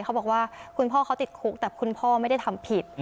เขาบอกว่าคุณพ่อเขาติดคุกแต่คุณพ่อไม่ได้ทำผิด